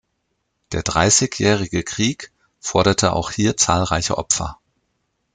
Der Dreißigjährige Krieg forderte auch hier zahlreiche Opfer.